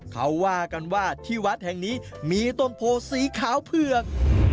เขาว่ากันว่าที่วัดแห่งนี้มีต้นโพสีขาวเผือก